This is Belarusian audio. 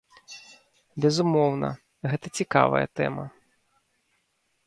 Безумоўна, гэта цікавая тэма.